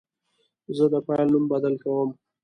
زه د فایل نوم بدل کوم.